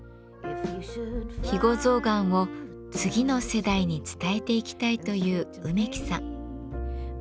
肥後象がんを次の世代に伝えていきたいという梅木さん。